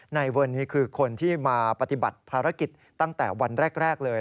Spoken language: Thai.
ในวันนี้คือคนที่มาปฏิบัติภารกิจตั้งแต่วันแรกเลย